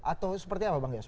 atau seperti apa bang yos